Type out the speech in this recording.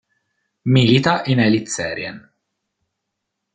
Milita in Elitserien.